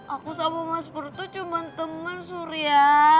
aku sama mas pur tuh cuma teman surya